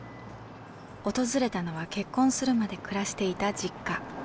訪れたのは結婚するまで暮らしていた実家。